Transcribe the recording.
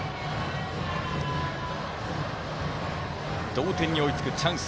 同点に追いつくチャンス